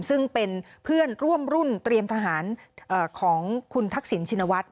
ซึ่งเป็นเพื่อนร่วมรุ่นเตรียมทหารของคุณทักษิณชินวัฒน